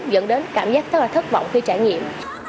dẫn đến cảm giác rất là thất vọng khi trải nghiệm